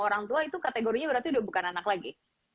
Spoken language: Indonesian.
orang tua itu kategorinya berarti udah bukan anak lagi